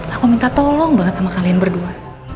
aku minta tolong banget sama kalian berdua